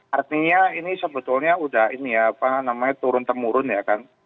artinya ini sebetulnya sudah ini ya apa namanya turun temurun ya kan